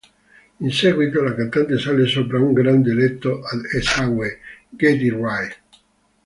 In seguito, la cantante sale sopra un grande letto ed esegue "Get It Right".